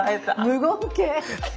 無言系。